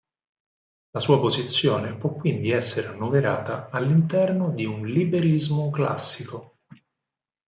La sua posizione può quindi essere annoverata all'interno di un liberismo classico.